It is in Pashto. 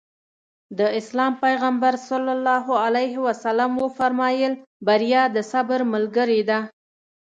د اسلام پيغمبر ص وفرمايل بريا د صبر ملګرې ده.